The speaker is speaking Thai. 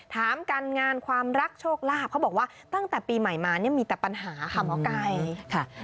ถามการงานความรักโชคลาภเขาบอกว่าตั้งแต่ปีใหม่มาเนี่ยมีแต่ปัญหาค่ะหมอไก่ค่ะ